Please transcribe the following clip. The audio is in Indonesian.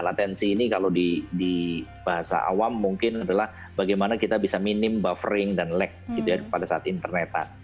latensi ini kalau di bahasa awam mungkin adalah bagaimana kita bisa minim buffering dan lag gitu ya pada saat internet